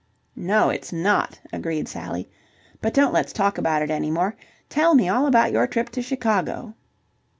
"No, it's not," agreed Sally. "But don't let's talk about it any more. Tell me all about your trip to Chicago."